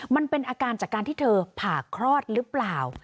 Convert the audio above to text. มันเป็นอาการจากการที่เธอผ่าคลอดหรือเปล่า